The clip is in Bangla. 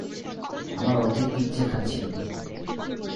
আমার অর্ধেক পিজ্জা খাচ্ছিল।